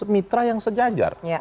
mitra yang sejajar